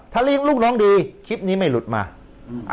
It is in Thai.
ถ้าเรียกลูกน้องดีคลิปนี้ไม่หลุดมาอืม